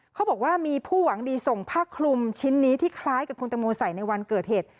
เขาบอกว่ามีผู้หวังดีส่งผ้าคลุมชิ้นนี้ที่คล้ายกับคุณตังโมใส่ในวันเกิดเหตุ